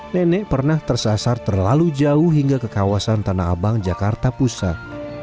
nenek pernah tersasar terlalu jauh hingga ke kawasan tanah abang jakarta pusat